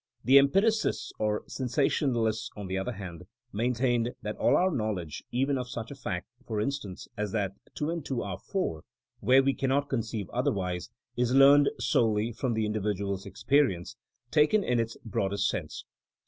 The empiricists '* or *' sensationalists," on the other hand, maintained that all our knowledge — even of such a fact, for instance, as that two and two are four, where we cannot conceive otherwise — ^is learned solely from the individual's experience, taken in its broadest sense.